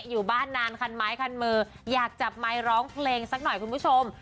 อยู่บ้านนานคันไม้คันมืออยากจับไมค์ร้องเพลงสักหน่อยคุณผู้ชม